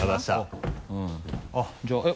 あっじゃあえっ